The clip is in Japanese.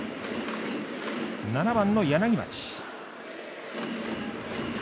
７番の柳町。